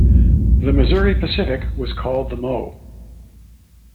The Missouri Pacific was called the Mo.